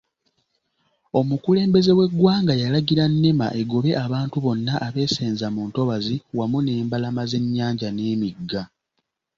Omukulembeze w'eggwanga yalagira Nema egobe abantu bonna abeesenzezza mu ntobazi wamu n'embalama z'ennyanja n'emigga.